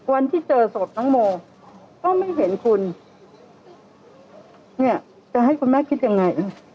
วันที่เจอศพน้องโมก็ไม่เห็นคุณเนี่ยจะให้คุณแม่คิดยังไง